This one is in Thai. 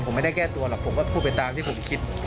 ผมไม่ได้แก้ตัวหรอกผมก็พูดไปตามที่ผมคิด